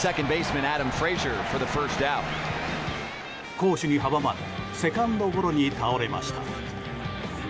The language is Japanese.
好守に阻まれセカンドゴロに倒れました。